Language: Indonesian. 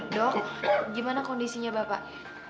dok gimana kondisinya bapak